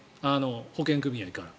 保険組合から。